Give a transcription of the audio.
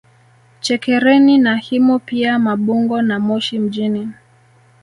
Chekereni na Himo pia Mabungo na Moshi mjini